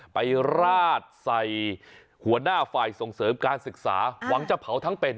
ไปราดใส่หัวหน้าฝ่ายส่งเสริมการศึกษาหวังจะเผาทั้งเป็น